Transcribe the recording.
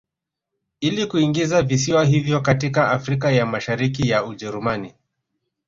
Ili kuingiza visiwa hivyo katika Afrika ya Mashariki ya Ujerumani